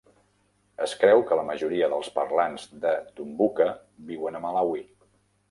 Es creu que la majoria dels parlants de Tumbuka viuen a Malawi.